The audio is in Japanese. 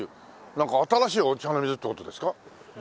なんか新しい御茶ノ水って事ですか？